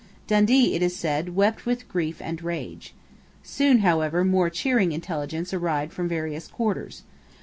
Dundee, it is said, wept with grief and rage. Soon, however, more cheering intelligence arrived from various quarters.